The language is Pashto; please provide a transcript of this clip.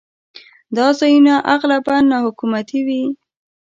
دا ځایونه اغلباً ناحکومتي وي.